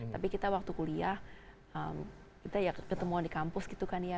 tapi kita waktu kuliah kita ya ketemuan di kampus gitu kan ya